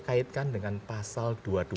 kaitkan dengan pasal dua ratus dua puluh